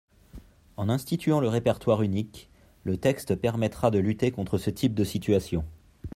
En instituant le répertoire unique, le texte permettra de lutter contre ce type de situation.